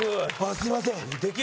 すいません